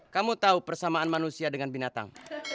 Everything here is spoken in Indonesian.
kamu tahu persamaan manusia dengan binatang